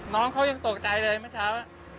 น้องเขายังตกใจเลยเมื่อเช้า